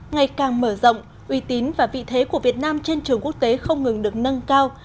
ngày càng mở rộng uy tín và vị thế của việt nam trên trường quốc tế không ngừng được nâng cao